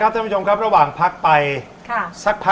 เสร็จแล้วแค่นี้แล้วนะคะ